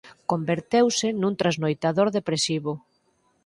Converteuse nun trasnoitador depresivo.